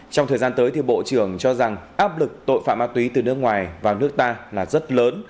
trong thời gian tới thì bộ trưởng cho rằng áp lực tội phạm ma túy từ nước ngoài vào nước ta là rất lớn